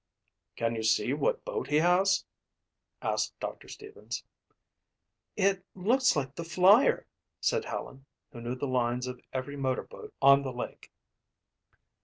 "Can you see what boat he has?" asked Doctor Stevens. "It looks like the Flyer," said Helen, who knew the lines of every motorboat on the lake.